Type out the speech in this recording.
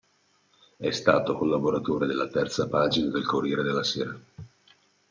È stato collaboratore della Terza Pagina del Corriere della Sera.